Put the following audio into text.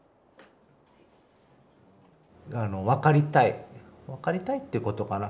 あの分かりたい分かりたいっていうことかな。